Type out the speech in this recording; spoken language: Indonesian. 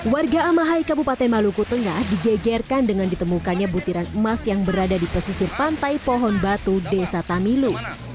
warga amahai kabupaten maluku tengah digegerkan dengan ditemukannya butiran emas yang berada di pesisir pantai pohon batu desa tamilu